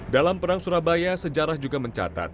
dalam perang surabaya sejarah juga mencatat